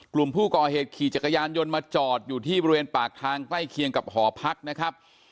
กลุ่มผู้ก่อเหตุขี่จักรยานยนต์มาจอดอยู่ที่บริเวณปากทางใกล้เคียงกับหอพักนะครับ